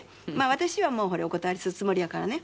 私はもうお断りするつもりやからね